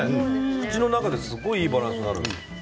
口の中ですごくいいバランスになる。